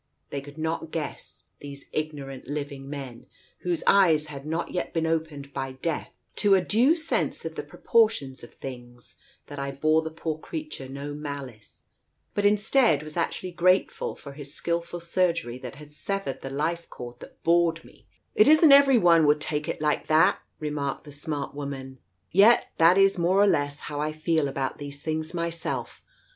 They could not guess, these ignorant living men, whose eyes had not yet been opened by death to a due sense of the proportions of things — that I bore the poor creature no malice, but instead was actually grateful for his skilful surgery that had severed the life cord that bored me, so neatly and completely." "It isn't every one would take it like that !" remarked the smart woman. "Yet that is, more or less, how I feel about these things myself.